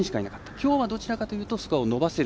きょうはどちらかというとスコアを伸ばせる。